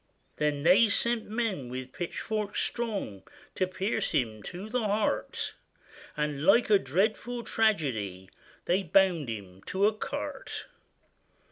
Then they sent men with pitchforks strong To pierce him through the heart; And like a dreadful tragedy, They bound him to a cart.